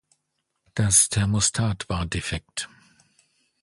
Das Thermostat war defekt.